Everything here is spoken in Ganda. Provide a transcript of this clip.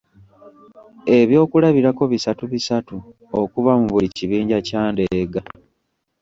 Ebyokulabirako bisatu bisatu okuva mu buli kibinja kya ndeega.